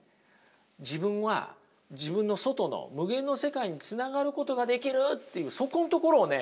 自分は自分の外の無限の世界につながることができるっていうそこのところをね